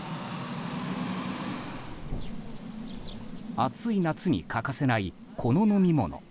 暑い夏に欠かせないこの飲み物。